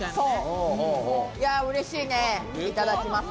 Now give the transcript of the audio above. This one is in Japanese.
いや、うれしいね。